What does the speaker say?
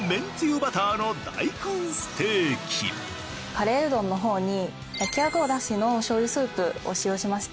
カレーうどんの方に焼あごだしの醤油スープを使用しました。